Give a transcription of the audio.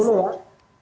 silahkan dulu pak